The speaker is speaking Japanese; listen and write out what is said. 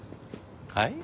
はい？